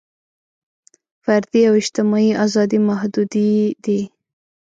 فردي او اجتماعي ازادۍ محدودې دي.